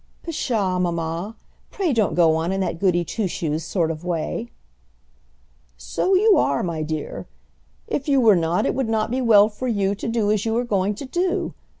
"Psha, mamma; pray don't go on in that Goody Twoshoes sort of way." "So you are, my dear. If you were not it would not be well for you to do as you are going to do.